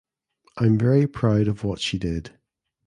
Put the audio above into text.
I’m very proud of what she did.